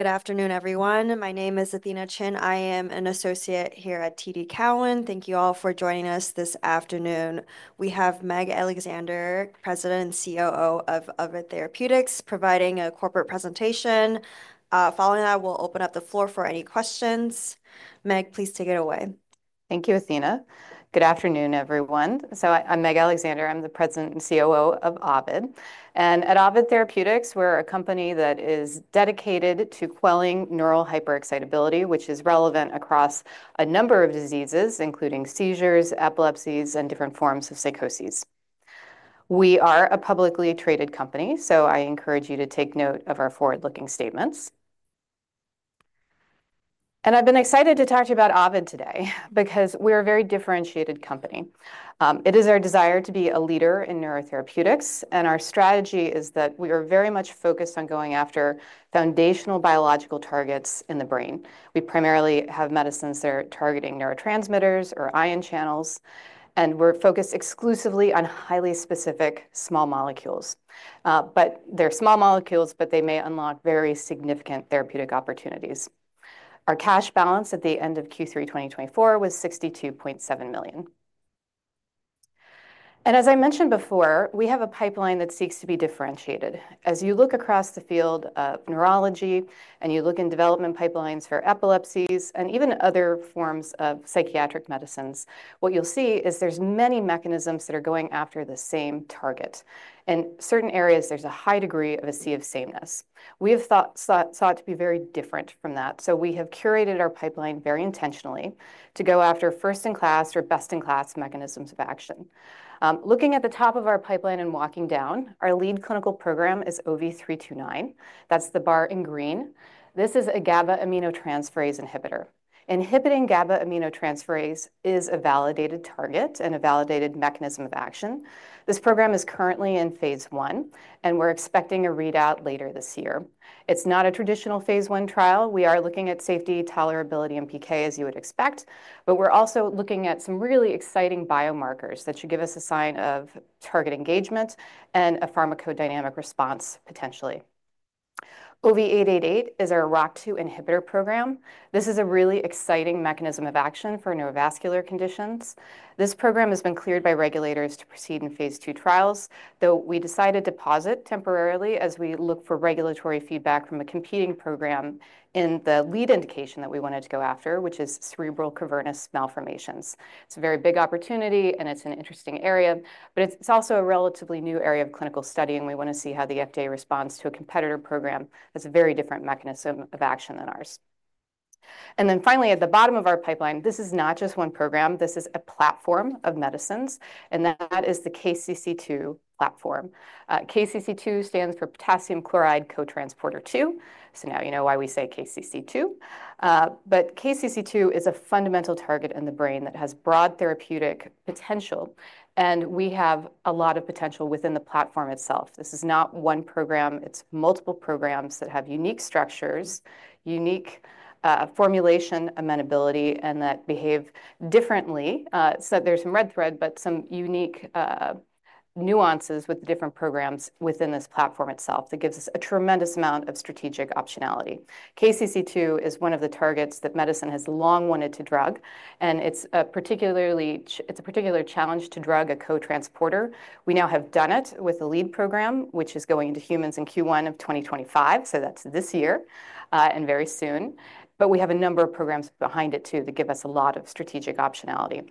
Good afternoon, everyone. My name is Athena Chin. I am an Associate here at TD Cowen. Thank you all for joining us this afternoon. We have Meg Alexander, President and COO of Ovid Therapeutics, providing a corporate presentation. Following that, we'll open up the floor for any questions. Meg, please take it away. Thank you, Athena. Good afternoon, everyone. I'm Meg Alexander. I'm the President and COO of Ovid. At Ovid Therapeutics, we're a company that is dedicated to quelling neural hyperexcitability, which is relevant across a number of diseases, including seizures, epilepsies, and different forms of psychoses. We are a publicly traded company, so I encourage you to take note of our forward-looking statements. I've been excited to talk to you about Ovid today because we're a very differentiated company. It is our desire to be a leader in neurotherapeutics, and our strategy is that we are very much focused on going after foundational biological targets in the brain. We primarily have medicines that are targeting neurotransmitters or ion channels, and we're focused exclusively on highly specific small molecules. They're small molecules, but they may unlock very significant therapeutic opportunities. Our cash balance at the end of Q3 2024 was $62.7 million. As I mentioned before, we have a pipeline that seeks to be differentiated. As you look across the field of neurology and you look in development pipelines for epilepsies and even other forms of psychiatric medicines, what you'll see is there's many mechanisms that are going after the same target. In certain areas, there's a high degree of a sea of sameness. We have sought to be very different from that, so we have curated our pipeline very intentionally to go after first-in-class or best-in-class mechanisms of action. Looking at the top of our pipeline and walking down, our lead clinical program is OV329. That's the bar in green. This is a GABA-aminotransferase inhibitor. Inhibiting GABA-aminotransferase is a validated target and a validated mechanism of action. This program is currently in phase I, and we're expecting a readout later this year. It's not a traditional phase I trial. We are looking at safety, tolerability, and PK, as you would expect, but we're also looking at some really exciting biomarkers that should give us a sign of target engagement and a pharmacodynamic response, potentially. OV888 is our ROCK2 inhibitor program. This is a really exciting mechanism of action for neurovascular conditions. This program has been cleared by regulators to proceed in phase II trials, though we decided to pause it temporarily as we look for regulatory feedback from a competing program in the lead indication that we wanted to go after, which is cerebral cavernous malformations. It's a very big opportunity, and it's an interesting area, but it's also a relatively new area of clinical study, and we want to see how the FDA responds to a competitor program that's a very different mechanism of action than ours. Finally, at the bottom of our pipeline, this is not just one program. This is a platform of medicines, and that is the KCC2 platform. KCC2 stands for potassium chloride cotransporter 2. You know why we say KCC2. KCC2 is a fundamental target in the brain that has broad therapeutic potential, and we have a lot of potential within the platform itself. This is not one program. It's multiple programs that have unique structures, unique formulation amenability, and that behave differently. There is some red thread, but some unique nuances with different programs within this platform itself that gives us a tremendous amount of strategic optionality. KCC2 is one of the targets that medicine has long wanted to drug, and it is a particular challenge to drug a cotransporter. We now have done it with the lead program, which is going into humans in Q1 of 2025. That is this year and very soon. We have a number of programs behind it too that give us a lot of strategic optionality.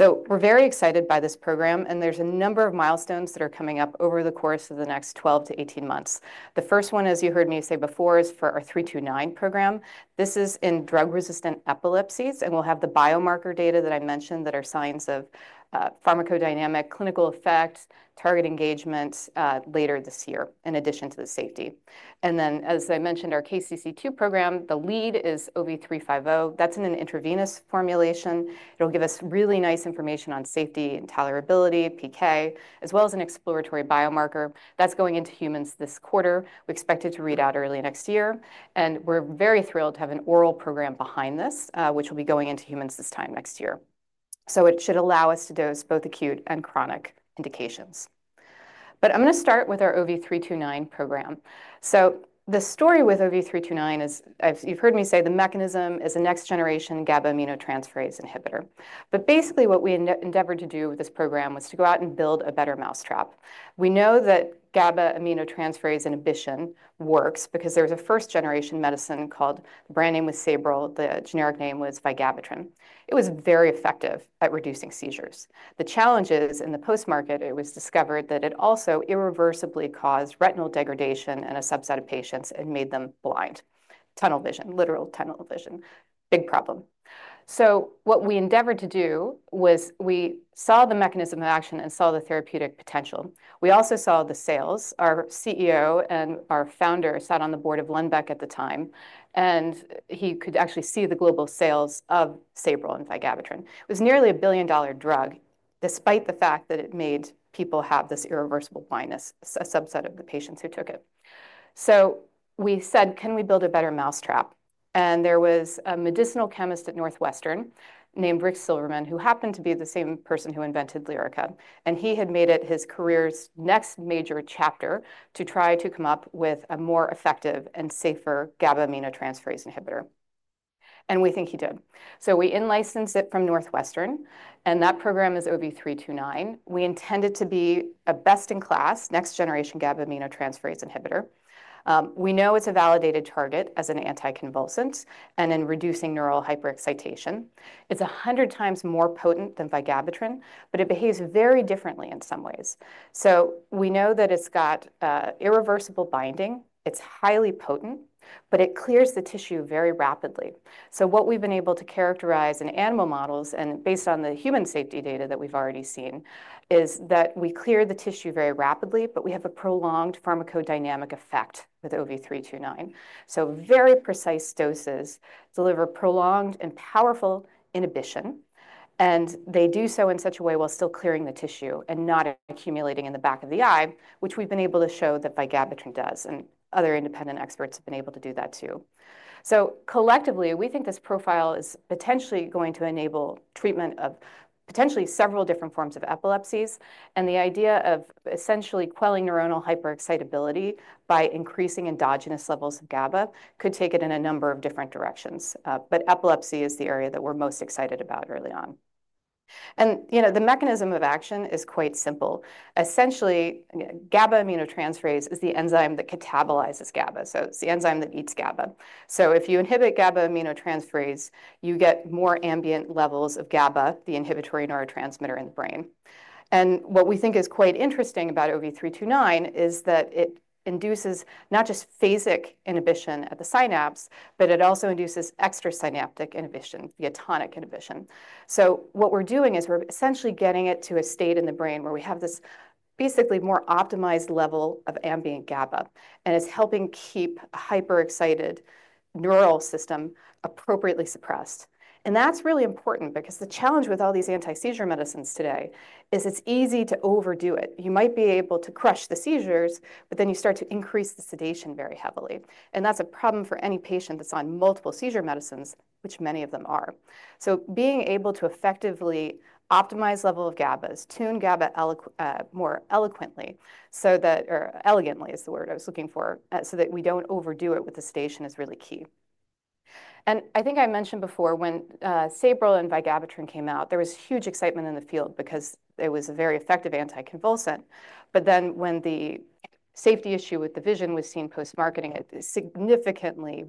We are very excited by this program, and there are a number of milestones that are coming up over the course of the next 12 months-18 months. The first one, as you heard me say before, is for our OV329 program. This is in drug-resistant epilepsies, and we'll have the biomarker data that I mentioned that are signs of pharmacodynamic clinical effect, target engagement later this year, in addition to the safety. As I mentioned, our KCC2 program, the lead is OV350. That's in an intravenous formulation. It'll give us really nice information on safety and tolerability, PK, as well as an exploratory biomarker that's going into humans this quarter. We expect it to read out early next year, and we're very thrilled to have an oral program behind this, which will be going into humans this time next year. It should allow us to dose both acute and chronic indications. I'm going to start with our OV329 program. The story with OV329 is, you've heard me say the mechanism is a next-generation GABA-aminotransferase inhibitor. What we endeavored to do with this program was to go out and build a better mousetrap. We know that GABA-aminotransferase inhibition works because there was a first-generation medicine called the brand name was Sabril. The generic name was vigabatrin. It was very effective at reducing seizures. The challenge is, in the post-market, it was discovered that it also irreversibly caused retinal degradation in a subset of patients and made them blind. Tunnel vision, literal tunnel vision. Big problem. What we endeavored to do was we saw the mechanism of action and saw the therapeutic potential. We also saw the sales. Our CEO and our founder sat on the board of Lundbeck at the time, and he could actually see the global sales of Sabril and vigabatrin. It was nearly $1 billion-dollar drug, despite the fact that it made people have this irreversible blindness, a subset of the patients who took it. We said, can we build a better mousetrap? There was a medicinal chemist at Northwestern named Rick Silverman, who happened to be the same person who invented Lyrica. He had made it his career's next major chapter to try to come up with a more effective and safer GABA-aminotransferase inhibitor. We think he did. We in-licensed it from Northwestern, and that program is OV329. We intended it to be a best-in-class next-generation GABA-aminotransferase inhibitor. We know it's a validated target as an anticonvulsant and in reducing neural hyperexcitation. It's 100x more potent than vigabatrin, but it behaves very differently in some ways. We know that it's got irreversible binding. It's highly potent, but it clears the tissue very rapidly. What we've been able to characterize in animal models, and based on the human safety data that we've already seen, is that we clear the tissue very rapidly, but we have a prolonged pharmacodynamic effect with OV329. Very precise doses deliver prolonged and powerful inhibition, and they do so in such a way while still clearing the tissue and not accumulating in the back of the eye, which we've been able to show that vigabatrin does, and other independent experts have been able to do that too. Collectively, we think this profile is potentially going to enable treatment of potentially several different forms of epilepsies, and the idea of essentially quelling neuronal hyperexcitability by increasing endogenous levels of GABA could take it in a number of different directions. Epilepsy is the area that we're most excited about early on. The mechanism of action is quite simple. Essentially, GABA-aminotransferase is the enzyme that catabolizes GABA. It's the enzyme that eats GABA. If you inhibit GABA-aminotransferase, you get more ambient levels of GABA, the inhibitory neurotransmitter in the brain. What we think is quite interesting about OV329 is that it induces not just phasic inhibition at the synapse, but it also induces extra-synaptic inhibition, the atonic inhibition. What we're doing is we're essentially getting it to a state in the brain where we have this basically more optimized level of ambient GABA, and it's helping keep a hyperexcited neural system appropriately suppressed. That's really important because the challenge with all these anti-seizure medicines today is it's easy to overdo it. You might be able to crush the seizures, but then you start to increase the sedation very heavily. That's a problem for any patient that's on multiple seizure medicines, which many of them are. Being able to effectively optimize the level of GABA, tune GABA more eloquently—so that, or elegantly is the word I was looking for—so that we don't overdo it with the sedation is really key. I think I mentioned before when Sabril and vigabatrin came out, there was huge excitement in the field because it was a very effective anticonvulsant. When the safety issue with the vision was seen post-marketing, it significantly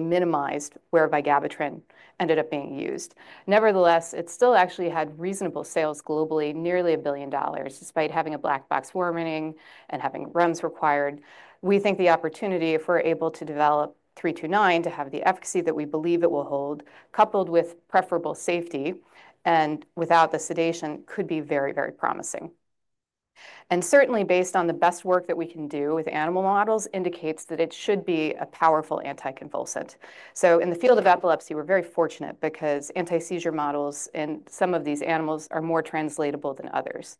minimized where vigabatrin ended up being used. Nevertheless, it still actually had reasonable sales globally, nearly $1 billion, despite having a black box warning and having REMS required. We think the opportunity, if we're able to develop 329, to have the efficacy that we believe it will hold, coupled with preferable safety and without the sedation, could be very, very promising. Certainly, based on the best work that we can do with animal models, it indicates that it should be a powerful anticonvulsant. In the field of epilepsy, we're very fortunate because anti-seizure models in some of these animals are more translatable than others.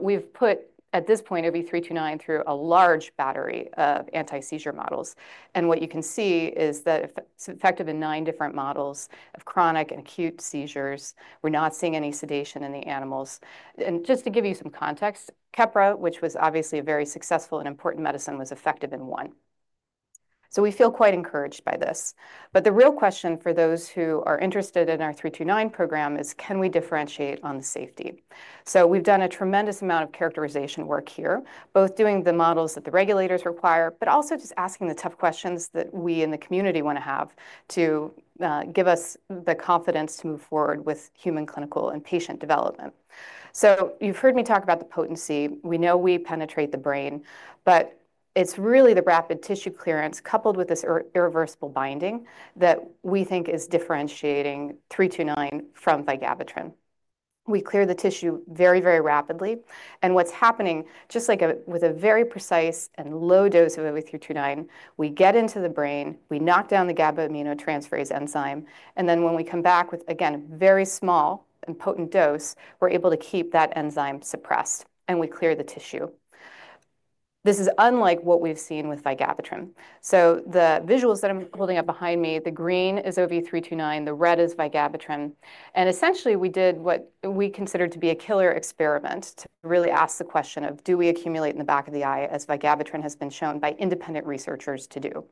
We've put, at this point, OV329 through a large battery of anti-seizure models. What you can see is that it's effective in nine different models of chronic and acute seizures. We're not seeing any sedation in the animals. Just to give you some context, Keppra, which was obviously a very successful and important medicine, was effective in one. We feel quite encouraged by this. The real question for those who are interested in our 329 program is, can we differentiate on the safety? We have done a tremendous amount of characterization work here, both doing the models that the regulators require, but also just asking the tough questions that we in the community want to have to give us the confidence to move forward with human clinical and patient development. You have heard me talk about the potency. We know we penetrate the brain, but it is really the rapid tissue clearance coupled with this irreversible binding that we think is differentiating 329 from vigabatrin. We clear the tissue very, very rapidly. What's happening, just like with a very precise and low dose of OV329, we get into the brain, we knock down the GABA-aminotransferase enzyme, and then when we come back with, again, a very small and potent dose, we're able to keep that enzyme suppressed and we clear the tissue. This is unlike what we've seen with vigabatrin. The visuals that I'm holding up behind me, the green is OV329, the red is vigabatrin. Essentially, we did what we considered to be a killer experiment to really ask the question of, do we accumulate in the back of the eye, as vigabatrin has been shown by independent researchers to do?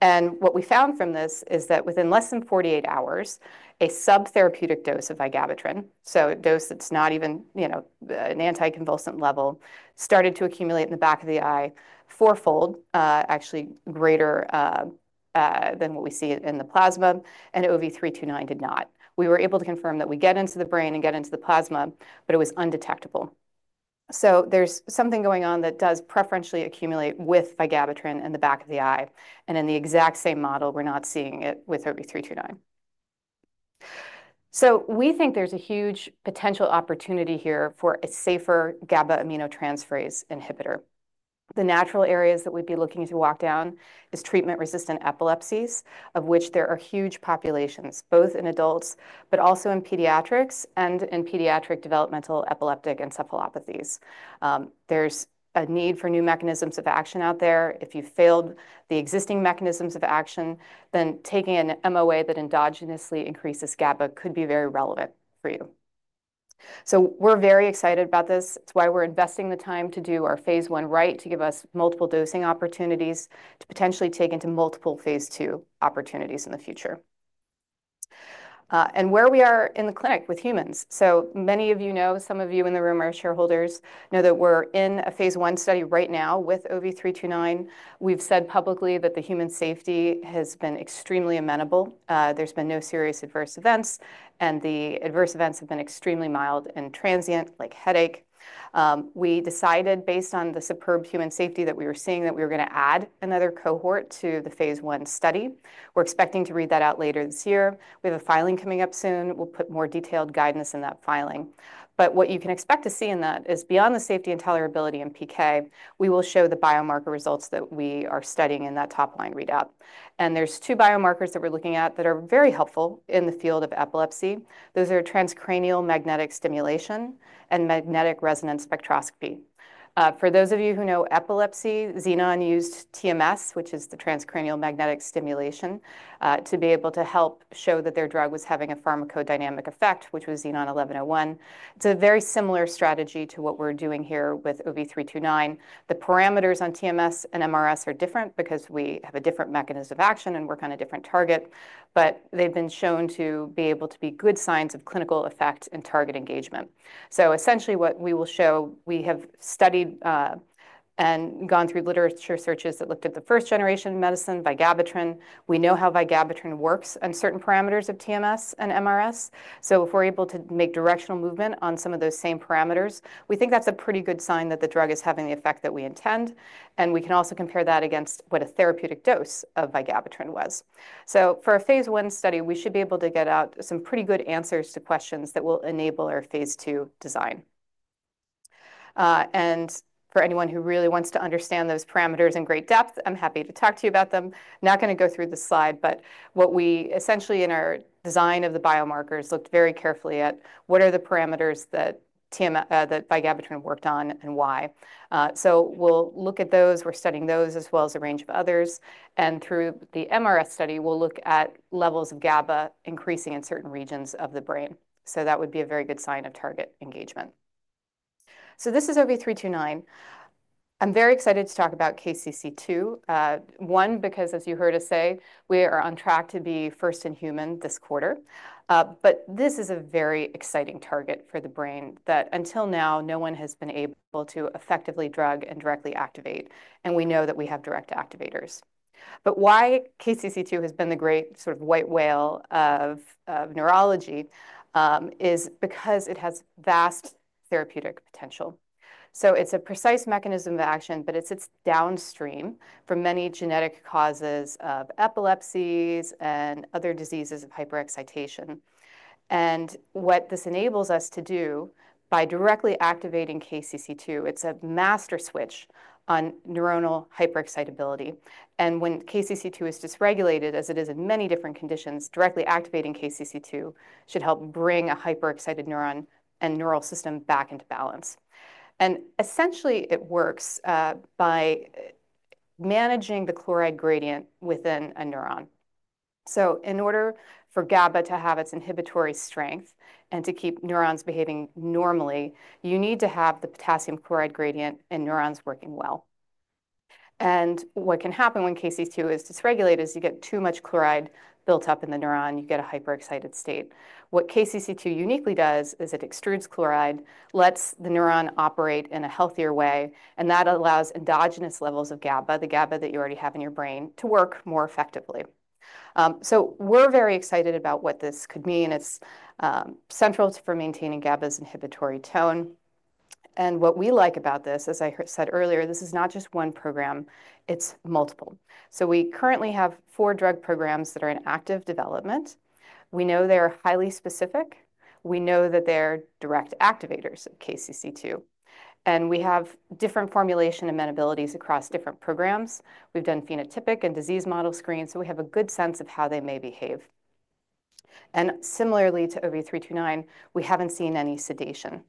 What we found from this is that within less than 48 hours, a sub-therapeutic dose of vigabatrin, so a dose that's not even an anticonvulsant level, started to accumulate in the back of the eye, four-fold, actually greater than what we see in the plasma, and OV329 did not. We were able to confirm that we get into the brain and get into the plasma, but it was undetectable. There is something going on that does preferentially accumulate with vigabatrin in the back of the eye. In the exact same model, we're not seeing it with OV329. We think there's a huge potential opportunity here for a safer GABA-aminotransferase inhibitor. The natural areas that we'd be looking to walk down is treatment-resistant epilepsies, of which there are huge populations, both in adults, but also in pediatrics and in pediatric developmental epileptic encephalopathies. There is a need for new mechanisms of action out there. If you have failed the existing mechanisms of action, then taking an MOA that endogenously increases GABA could be very relevant for you. We are very excited about this. It is why we are investing the time to do our phase I right to give us multiple dosing opportunities to potentially take into multiple phase II opportunities in the future. Where we are in the clinic with humans, many of you know, some of you in the room are shareholders, know that we are in a phase I study right now with OV329. We have said publicly that the human safety has been extremely amenable. There have been no serious adverse events, and the adverse events have been extremely mild and transient, like headache. We decided, based on the superb human safety that we were seeing, that we were going to add another cohort to the phase I study. We're expecting to read that out later this year. We have a filing coming up soon. We'll put more detailed guidance in that filing. What you can expect to see in that is, beyond the safety and tolerability and PK, we will show the biomarker results that we are studying in that top-line readout. There are two biomarkers that we're looking at that are very helpful in the field of epilepsy. Those are transcranial magnetic stimulation and magnetic resonance spectroscopy. For those of you who know epilepsy, Xenon used TMS, which is the transcranial magnetic stimulation, to be able to help show that their drug was having a pharmacodynamic effect, which was XEN1101. It's a very similar strategy to what we're doing here with OV329. The parameters on TMS and MRS are different because we have a different mechanism of action and work on a different target, but they've been shown to be able to be good signs of clinical effect and target engagement. Essentially, what we will show, we have studied and gone through literature searches that looked at the first-generation medicine, vigabatrin. We know how vigabatrin works on certain parameters of TMS and MRS. If we're able to make directional movement on some of those same parameters, we think that's a pretty good sign that the drug is having the effect that we intend. We can also compare that against what a therapeutic dose of vigabatrin was. For a phase I study, we should be able to get out some pretty good answers to questions that will enable our phase II design. For anyone who really wants to understand those parameters in great depth, I'm happy to talk to you about them. I'm not going to go through the slide, but what we essentially in our design of the biomarkers looked very carefully at what are the parameters that vigabatrin worked on and why. We will look at those. We're studying those as well as a range of others. Through the MRS study, we'll look at levels of GABA increasing in certain regions of the brain. That would be a very good sign of target engagement. This is OV329. I'm very excited to talk about KCC2. One, because, as you heard us say, we are on track to be first in human this quarter. This is a very exciting target for the brain that until now, no one has been able to effectively drug and directly activate. We know that we have direct activators. Why KCC2 has been the great sort of white whale of neurology is because it has vast therapeutic potential. It is a precise mechanism of action, but it is downstream for many genetic causes of epilepsies and other diseases of hyperexcitation. What this enables us to do by directly activating KCC2, it is a master switch on neuronal hyperexcitability. When KCC2 is dysregulated, as it is in many different conditions, directly activating KCC2 should help bring a hyperexcited neuron and neural system back into balance. Essentially, it works by managing the chloride gradient within a neuron. In order for GABA to have its inhibitory strength and to keep neurons behaving normally, you need to have the potassium chloride gradient and neurons working well. What can happen when KCC2 is dysregulated is you get too much chloride built up in the neuron. You get a hyperexcited state. What KCC2 uniquely does is it extrudes chloride, lets the neuron operate in a healthier way, and that allows endogenous levels of GABA, the GABA that you already have in your brain, to work more effectively. We are very excited about what this could mean. It is central to maintaining GABA's inhibitory tone. What we like about this, as I said earlier, this is not just one program. It is multiple. We currently have four drug programs that are in active development. We know they are highly specific. We know that they are direct activators of KCC2. We have different formulation amenabilities across different programs. We've done phenotypic and disease model screens, so we have a good sense of how they may behave. Similarly to OV329, we haven't seen any sedation.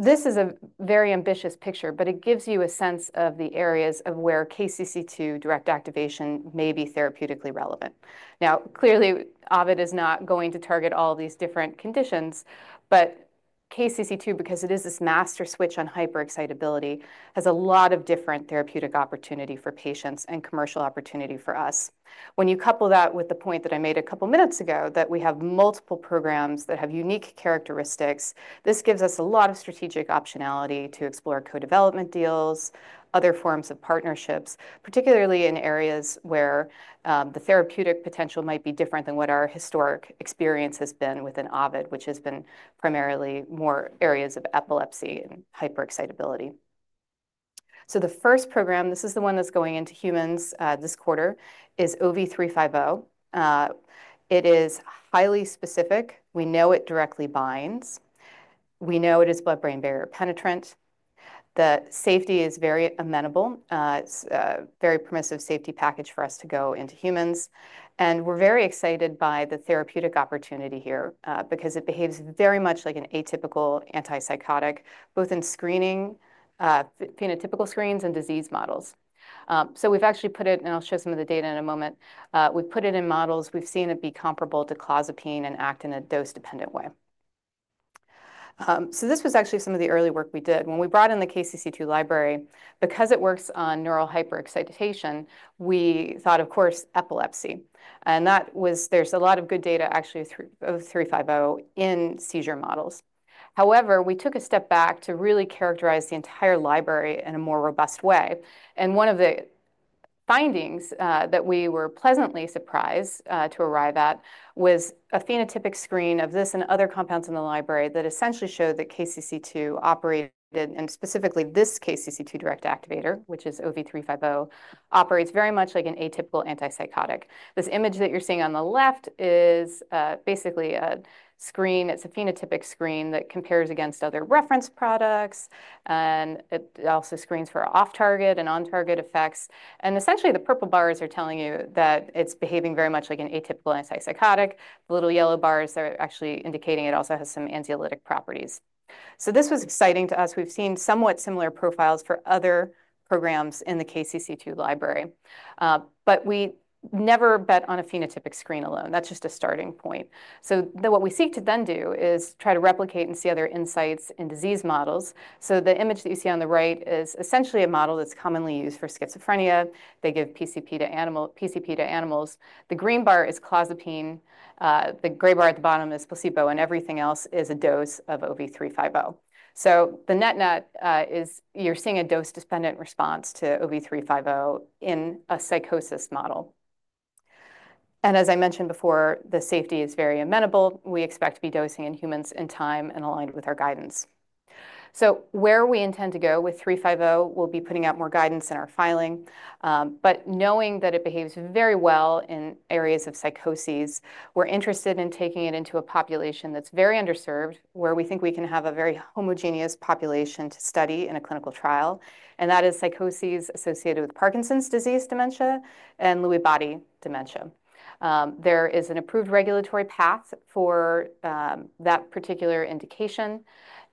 This is a very ambitious picture, but it gives you a sense of the areas of where KCC2 direct activation may be therapeutically relevant. Now, clearly, Ovid is not going to target all these different conditions, but KCC2, because it is this master switch on hyperexcitability, has a lot of different therapeutic opportunity for patients and commercial opportunity for us. When you couple that with the point that I made a couple of minutes ago, that we have multiple programs that have unique characteristics, this gives us a lot of strategic optionality to explore co-development deals, other forms of partnerships, particularly in areas where the therapeutic potential might be different than what our historic experience has been within Ovid, which has been primarily more areas of epilepsy and hyperexcitability. The first program, this is the one that's going into humans this quarter, is OV350. It is highly specific. We know it directly binds. We know it is blood-brain barrier penetrant. The safety is very amenable. It's a very permissive safety package for us to go into humans. We're very excited by the therapeutic opportunity here because it behaves very much like an atypical antipsychotic, both in screening, phenotypic screens, and disease models. We've actually put it, and I'll show some of the data in a moment. We've put it in models. We've seen it be comparable to clozapine and act in a dose-dependent way. This was actually some of the early work we did. When we brought in the KCC2 library, because it works on neural hyperexcitation, we thought, of course, epilepsy. There is a lot of good data, actually, through OV350 in seizure models. However, we took a step back to really characterize the entire library in a more robust way. One of the findings that we were pleasantly surprised to arrive at was a phenotypic screen of this and other compounds in the library that essentially showed that KCC2 operated, and specifically this KCC2 direct activator, which is OV350, operates very much like an atypical antipsychotic. This image that you're seeing on the left is basically a screen. It's a phenotypic screen that compares against other reference products. It also screens for off-target and on-target effects. Essentially, the purple bars are telling you that it's behaving very much like an atypical antipsychotic. The little yellow bars are actually indicating it also has some anxiolytic properties. This was exciting to us. We've seen somewhat similar profiles for other programs in the KCC2 library. We never bet on a phenotypic screen alone. That's just a starting point. What we seek to then do is try to replicate and see other insights in disease models. The image that you see on the right is essentially a model that's commonly used for schizophrenia. They give PCP to animals. The green bar is clozapine. The gray bar at the bottom is placebo, and everything else is a dose of OV350. The net-net, you're seeing a dose-dependent response to OV350 in a psychosis model. As I mentioned before, the safety is very amenable. We expect to be dosing in humans in time and aligned with our guidance. Where we intend to go with 350, we'll be putting out more guidance in our filing. Knowing that it behaves very well in areas of psychoses, we're interested in taking it into a population that's very underserved, where we think we can have a very homogeneous population to study in a clinical trial. That is psychoses associated with Parkinson's disease dementia and Lewy body dementia. There is an approved regulatory path for that particular indication.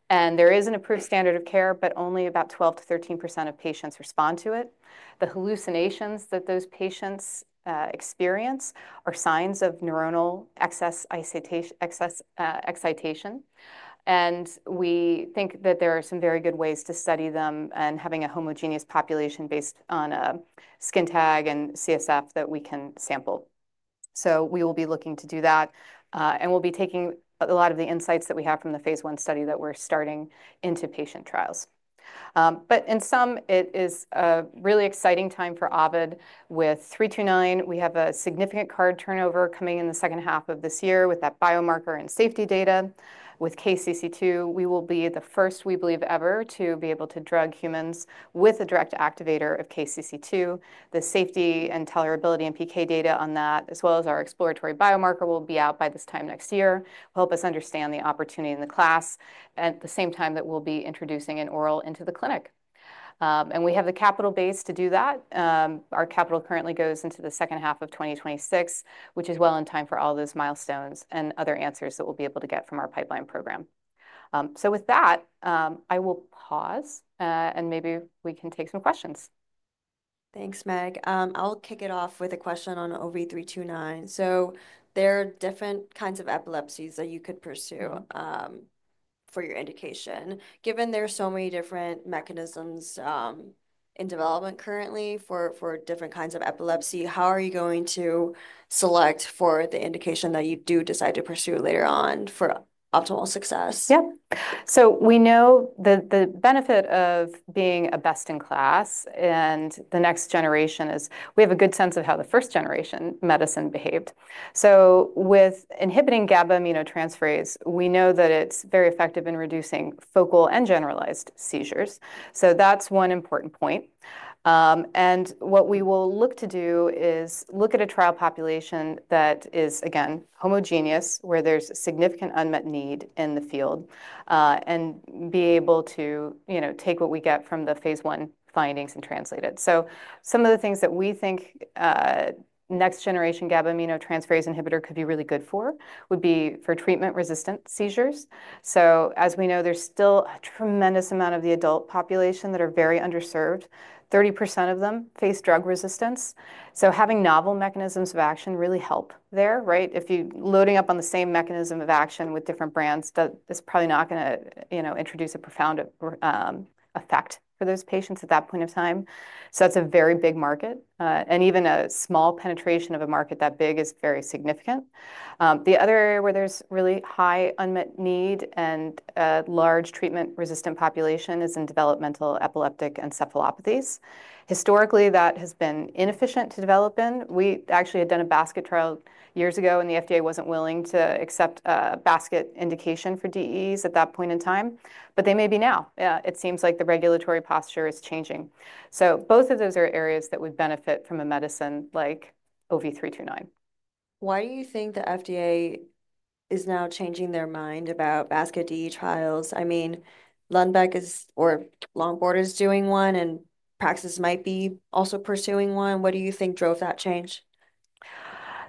There is an approved standard of care, but only about 12%-13% of patients respond to it. The hallucinations that those patients experience are signs of neuronal excitation. We think that there are some very good ways to study them and having a homogeneous population based on a skin tag and CSF that we can sample. We will be looking to do that. We will be taking a lot of the insights that we have from the phase I study that we're starting into patient trials. In sum, it is a really exciting time for Ovid. With 329, we have a significant card turnover coming in the second half of this year with that biomarker and safety data. With KCC2, we will be the first, we believe, ever to be able to drug humans with a direct activator of KCC2. The safety and tolerability and PK data on that, as well as our exploratory biomarker, will be out by this time next year. Help us understand the opportunity in the class at the same time that we'll be introducing an oral into the clinic. We have the capital base to do that. Our capital currently goes into the second half of 2026, which is well in time for all those milestones and other answers that we'll be able to get from our pipeline program. With that, I will pause and maybe we can take some questions. Thanks, Meg. I'll kick it off with a question on OV329. There are different kinds of epilepsies that you could pursue for your indication. Given there are so many different mechanisms in development currently for different kinds of epilepsy, how are you going to select for the indication that you do decide to pursue later on for optimal success? Yep. We know the benefit of being a best-in-class and the next generation is we have a good sense of how the first-generation medicine behaved. With inhibiting GABA-aminotransferase, we know that it's very effective in reducing focal and generalized seizures. That's one important point. What we will look to do is look at a trial population that is, again, homogeneous, where there's significant unmet need in the field, and be able to take what we get from the phase I findings and translate it. Some of the things that we think next-generation GABA-aminotransferase inhibitor could be really good for would be for treatment-resistant seizures. As we know, there's still a tremendous amount of the adult population that are very underserved. 30% of them face drug resistance. Having novel mechanisms of action really helps there, right? If you're loading up on the same mechanism of action with different brands, that is probably not going to introduce a profound effect for those patients at that point of time. That's a very big market. Even a small penetration of a market that big is very significant. The other area where there's really high unmet need and a large treatment-resistant population is in developmental epileptic encephalopathies. Historically, that has been inefficient to develop in. We actually had done a basket trial years ago, and the FDA wasn't willing to accept a basket indication for DEEs at that point in time. They may be now. It seems like the regulatory posture is changing. Both of those are areas that would benefit from a medicine like OV329. Why do you think the FDA is now changing their mind about basket DEE trials? I mean, Lundbeck or Longboard is doing one, and Praxis might be also pursuing one. What do you think drove that change?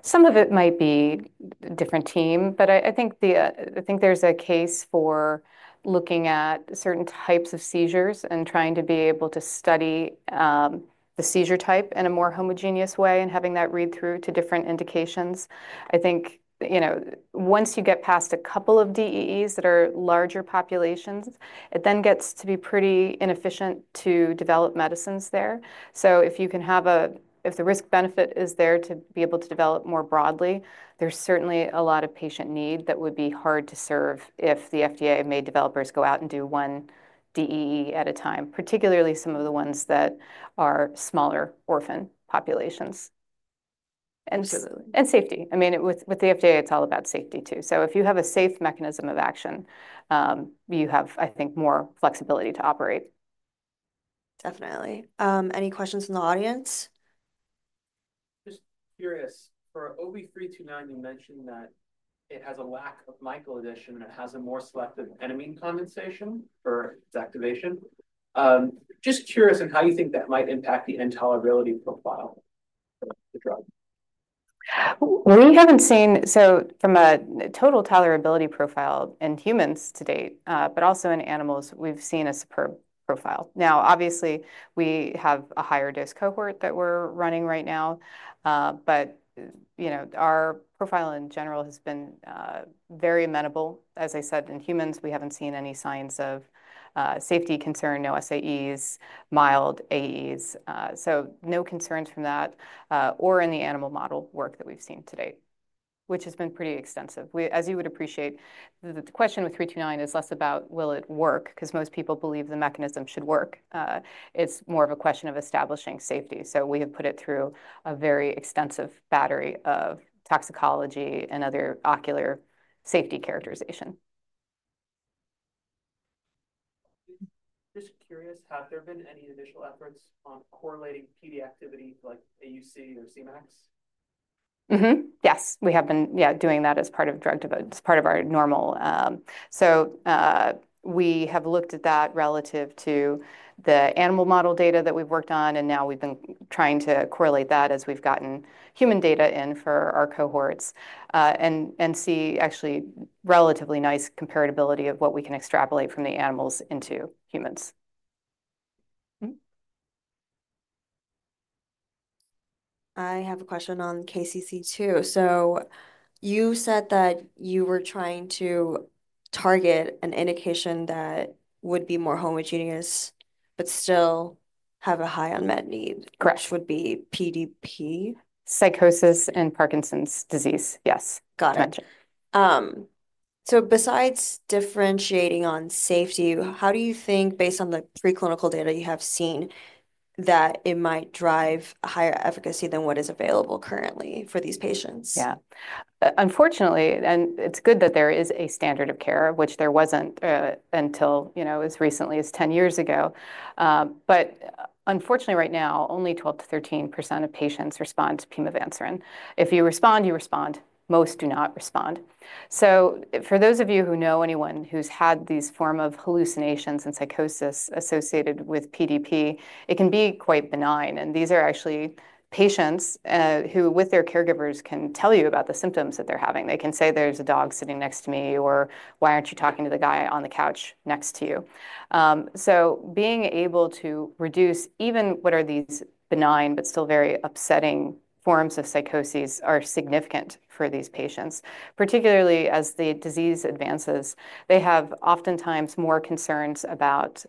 Some of it might be a different team, but I think there's a case for looking at certain types of seizures and trying to be able to study the seizure type in a more homogeneous way and having that read through to different indications. I think once you get past a couple of DEEs that are larger populations, it then gets to be pretty inefficient to develop medicines there. If the risk-benefit is there to be able to develop more broadly, there is certainly a lot of patient need that would be hard to serve if the FDA made developers go out and do one DEE at a time, particularly some of the ones that are smaller orphan populations. And safety. I mean, with the FDA, it is all about safety too. If you have a safe mechanism of action, you have, I think, more flexibility to operate. Definitely. Any questions from the audience? Just curious. For OV329, you mentioned that it has a lack of Michael addition and it has a more selective enamine condensation for its activation. Just curious on how you think that might impact the intolerability profile of the drug. We haven't seen, so from a total tolerability profile in humans to date, but also in animals, we've seen a superb profile. Now, obviously, we have a higher dose cohort that we're running right now. Our profile in general has been very amenable. As I said, in humans, we haven't seen any signs of safety concern, no SAEs, mild AEs. No concerns from that or in the animal model work that we've seen to date, which has been pretty extensive. As you would appreciate, the question with 329 is less about will it work, because most people believe the mechanism should work. It's more of a question of establishing safety. We have put it through a very extensive battery of toxicology and other ocular safety characterization. Just curious, have there been any initial efforts on correlating PD activity like AUC or Cmax? Yes, we have been, yeah, doing that as part of drug development, as part of our normal. We have looked at that relative to the animal model data that we've worked on, and now we've been trying to correlate that as we've gotten human data in for our cohorts and see actually relatively nice comparability of what we can extrapolate from the animals into humans. I have a question on KCC2. You said that you were trying to target an indication that would be more homogeneous, but still have a high unmet need. Correct. Which would be PDP? Psychosis and Parkinson's disease, yes. Got it. Besides differentiating on safety, how do you think, based on the preclinical data you have seen, that it might drive a higher efficacy than what is available currently for these patients? Yeah. Unfortunately, and it's good that there is a standard of care, which there wasn't until as recently as 10 years ago. Unfortunately, right now, only 12%-13% of patients respond to pimavanserin. If you respond, you respond. Most do not respond. For those of you who know anyone who's had these forms of hallucinations and psychosis associated with PDP, it can be quite benign. These are actually patients who, with their caregivers, can tell you about the symptoms that they're having. They can say, "There's a dog sitting next to me," or, "Why aren't you talking to the guy on the couch next to you?" Being able to reduce even what are these benign, but still very upsetting forms of psychoses is significant for these patients. Particularly as the disease advances, they have oftentimes more concerns about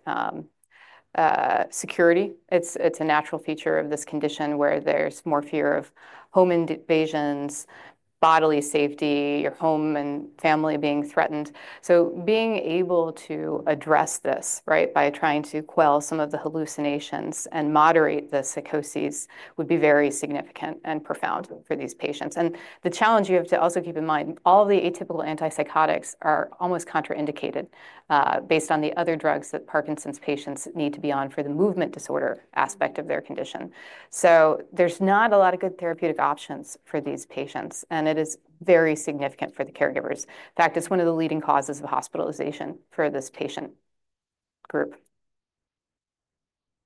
security. It's a natural feature of this condition where there's more fear of home invasions, bodily safety, your home and family being threatened. Being able to address this, right, by trying to quell some of the hallucinations and moderate the psychoses would be very significant and profound for these patients. The challenge you have to also keep in mind, all of the atypical antipsychotics are almost contraindicated based on the other drugs that Parkinson's patients need to be on for the movement disorder aspect of their condition. There's not a lot of good therapeutic options for these patients, and it is very significant for the caregivers. In fact, it's one of the leading causes of hospitalization for this patient group.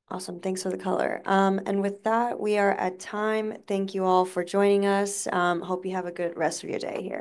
Awesome. Thanks for the color. With that, we are at time. Thank you all for joining us. Hope you have a good rest of your day here.